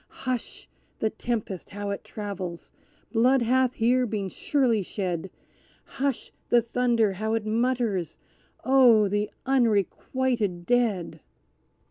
Hush! the tempest, how it travels! Blood hath here been surely shed Hush! the thunder, how it mutters! Oh, the unrequited Dead!"